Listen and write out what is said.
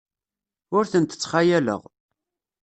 Ur tent-ttxayaleɣ.